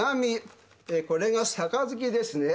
これが盃ですね。